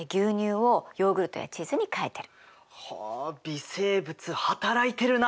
はあ微生物働いてるな。